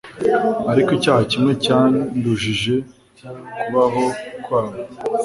ariko icyaha kimwe cyandujije kubaho kwabo